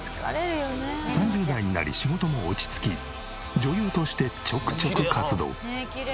３０代になり仕事も落ち着き女優としてちょくちょく活動。